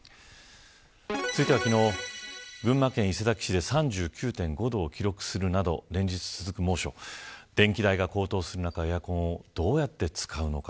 続いては昨日、群馬県伊勢崎市で３９．５度を記録する連日の猛暑電気代が高騰する中エアコンをどう使うのか。